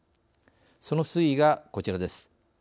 その推移がこちらです。